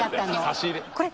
差し入れ。